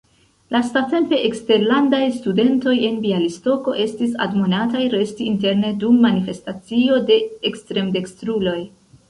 Lastatempe eksterlandaj studentoj en Bjalistoko estis admonataj resti interne dum manifestacio de ekstremdekstruloj.